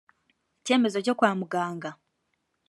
icyemezo cyo kwamuganga.